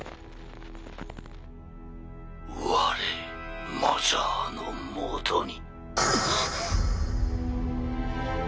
我マザーの下に。